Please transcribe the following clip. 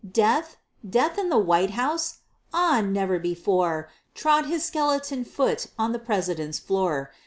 Death! Death in the White House! Ah, never before, Trod his skeleton foot on the President's floor!